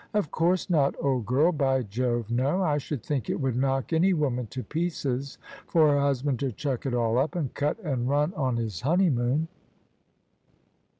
" Of course not, old girl: by Jove, no! I should think it would knock any woman to pieces for her husband to chuck it all up, and cut and run on his honeymoon."